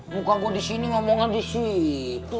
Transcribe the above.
muka gue disini ngomongan disitu